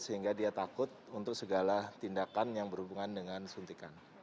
sehingga dia takut untuk segala tindakan yang berhubungan dengan suntikan